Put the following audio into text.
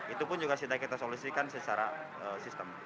itu pun juga sudah kita solusikan secara sistem